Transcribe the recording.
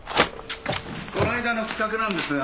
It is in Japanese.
この間の企画なんですが。